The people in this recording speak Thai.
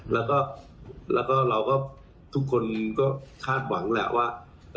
แล้วก็เราก็ทุกคนก็คาดหวังแหละว่า